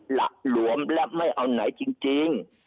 หละหลวมและไม่เอาไหนจริง